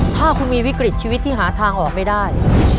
ถ้าคุณมีวิกฤตชีวิตที่หาทางออกไม่ได้